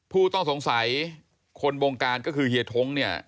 ผู้ต้องสงสัยคนบงการก็คือเฮียท้งเนี่ย